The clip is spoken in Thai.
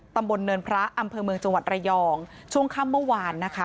ตำบลเนินพระอำเภอเมืองจังหวัดระยองช่วงค่ำเมื่อวานนะคะ